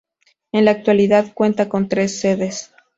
En la actualidad cuenta con tres sedes.